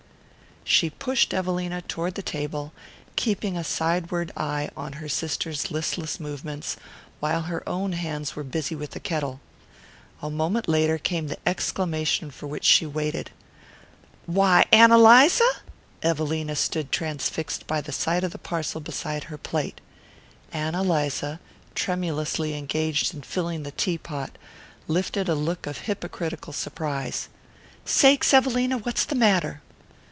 She pushed Evelina toward the table, keeping a sideward eye on her sister's listless movements, while her own hands were busy with the kettle. A moment later came the exclamation for which she waited. "Why, Ann Eliza!" Evelina stood transfixed by the sight of the parcel beside her plate. Ann Eliza, tremulously engaged in filling the teapot, lifted a look of hypocritical surprise. "Sakes, Evelina! What's the matter?"